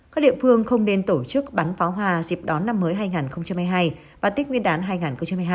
các địa phương không nên tổ chức bắn pháo hoa dịp đón năm mới hai nghìn hai mươi hai và tết nguyên đán hai nghìn hai mươi hai